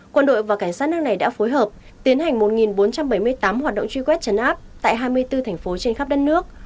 quân đội và cảnh sát nước này đã phối hợp tiến hành một bốn trăm bảy mươi tám hoạt động truy quét chấn áp tại hai mươi bốn thành phố trên khắp đất nước